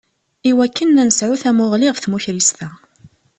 Iwakken ad nesɛu tamuɣli ɣef tmukrist-a.